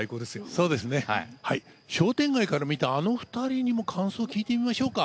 そうですね、商店街から見たあの２人にも感想を聞いてみましょうか。